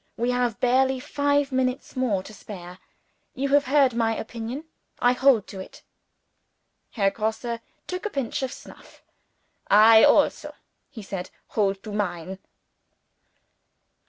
We have barely five minutes more to spare. You have heard my opinion. I hold to it." Herr Grosse took a pinch of snuff. "I also," he said, "hold to mine."